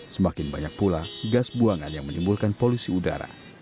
semakin banyak pula gas buangan yang menimbulkan polusi udara